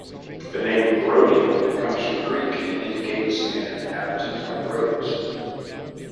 The name "Rodion" comes from Greek and indicates an inhabitant of Rhodes.